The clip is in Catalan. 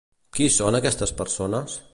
Qui són aquestes persones?